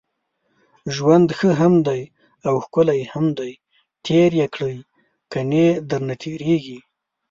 ژوند ښه هم دی اوښکلی هم دی تېر يې کړئ، کني درنه تېريږي